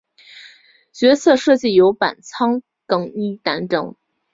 角色设计由板仓耕一担当。